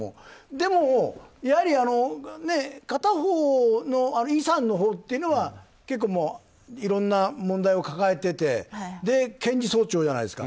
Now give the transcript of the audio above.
でもやはり、片方のイさんのほうというのは結構いろんな問題を抱えていて検事総長じゃないですか。